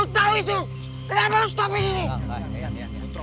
pasti bisa dan sekali